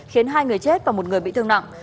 khiến hai người chết và một người bị thương nặng